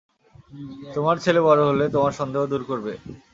তোমার ছেলে বড়ো হলে তোমার সন্দেহ দূর করবে!